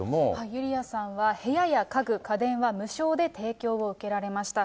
ユリアさんは部屋や家具、家電は無償で提供を受けられました。